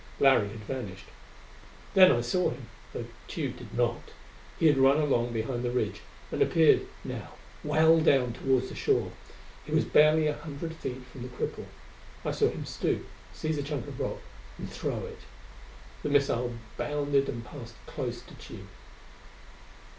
Larry had vanished. Then I saw him, though Tugh did not. He had run along behind the ridge, and appeared, now, well down toward the shore. He was barely a hundred feet from the cripple. I saw him stoop, seize a chunk of rock, and throw it. The missile bounded and passed close to Tugh.